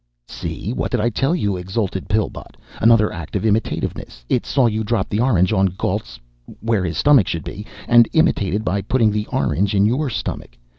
"See, what did I tell you," exulted Pillbot. "Another act of imitativeness. It saw you drop the orange on Gault's where his stomach should be, and imitated by putting the orange in your stomach.